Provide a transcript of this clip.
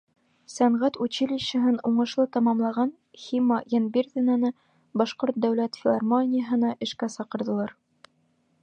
Сәнғәт училищеһын уңышлы тамамлаған Хима Йәнбирҙинаны Башҡорт дәүләт филармонияһына эшкә саҡырҙылар.